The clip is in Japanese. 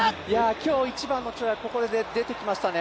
今日一番の跳躍、ここで出てきましたね！